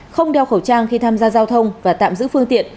không đeo khẩu trang khi tham gia giao thông và tạm giữ phương tiện